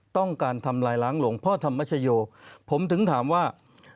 ต้องการทำลายล้างหลวงพ่อธรรมชโยผมถึงถามว่า